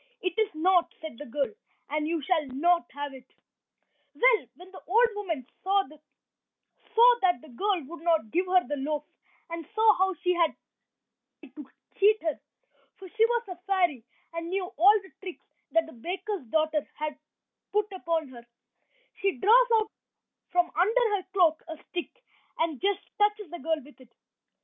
"It is not," said the girl, "and you shall not have it." Well, when the old woman saw that the girl would not give her the loaf, and saw how she had tried to cheat her, for she was a fairy, and knew all the tricks that the baker's daughter had put upon her, she draws out from under her cloak a stick, and just touches the girl with it.